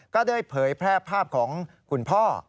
ก็ได้เผยแพร่ภาพของคุณพ่อ